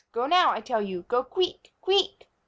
Go now, I tell you. Go queek, queek!